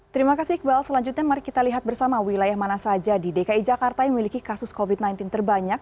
terima kasih iqbal selanjutnya mari kita lihat bersama wilayah mana saja di dki jakarta yang memiliki kasus covid sembilan belas terbanyak